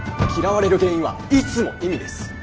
嫌われる原因はいつも意味です。